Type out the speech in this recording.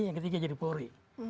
yang ketiga jadi polri